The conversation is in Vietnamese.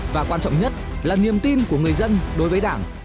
và quan trọng nhất là niềm tin của người dân đối với đảng